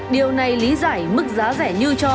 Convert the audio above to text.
điều này lý giải mức giá rẻ như cho